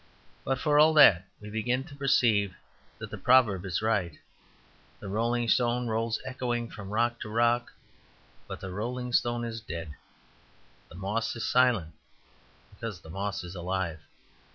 But for all that we begin to perceive that the proverb is right. The rolling stone rolls echoing from rock to rock; but the rolling stone is dead. The moss is silent because the moss is alive.